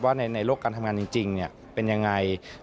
ในโลกการทำงานจริงเป็นยังไง